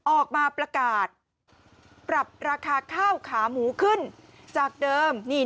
ออกมาประกาศปรับราคาข้าวขาหมูขึ้นจากเดิม